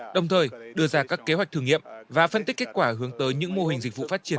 đồng thời đưa ra các kế hoạch thử nghiệm và phân tích kết quả hướng tới những mô hình dịch vụ phát triển